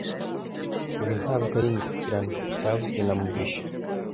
Ibi ntabwo ari imishyikirano byavuzwe na mugisha